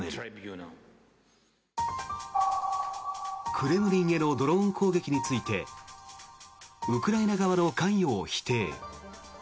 クレムリンへのドローン攻撃についてウクライナ側の関与を否定。